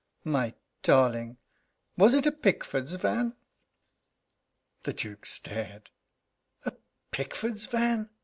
"My darling! Was it a Pickford's van?" The Duke stared: "A Pickford's van?